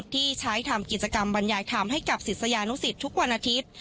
ที่ใช้ทำกิจกรรมบรรยายธรรมให้กับศิษยานุสิตทุกวันอาทิตย์